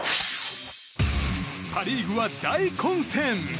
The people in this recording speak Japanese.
パ・リーグは大混戦。